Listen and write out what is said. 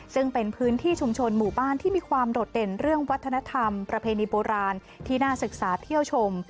ซึ่งเป็นพื้นที่ชุมชนหมู่บ้านที่มีความโดดเด่นเรื่องวัฒนธรรมประเพณีโบราณที่น่าศึกษาเที่ยวชม